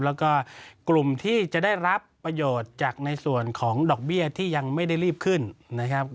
แล้วก็กลุ่มที่จะได้รับประโยชน์จากในส่วนของดอกเบี้ยที่ยังไม่ได้รีบขึ้นนะครับ